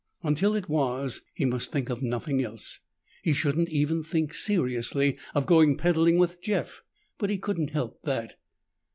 Until it was, he must think of nothing else; he shouldn't even think seriously of going peddling with Jeff but he couldn't help that.